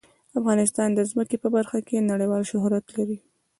افغانستان د ځمکه په برخه کې نړیوال شهرت لري.